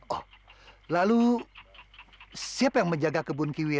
oh lalu siapa yang menjaga kebun kiwia